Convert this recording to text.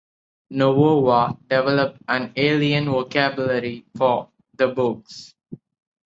Novoa developed an alien vocabulary for the books.